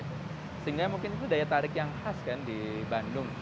sehingga mungkin itu daya tarik yang khas kan di bandung